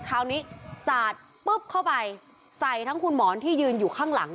คราวนี้สาดปุ๊บเข้าไปใส่ทั้งคุณหมอนที่ยืนอยู่ข้างหลัง